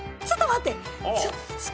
ちょっと待って！